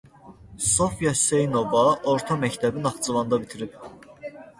Sofya Hüseynova orta məktəbi Naxçıvanda bitirib.